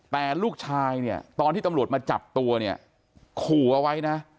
แต่ลูกชายตอนที่ตำรวจมาจับตัวขู่เอาไว้นะ